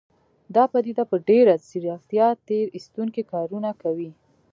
دا پديده په ډېره ځيرکتيا تېر ايستونکي کارونه کوي.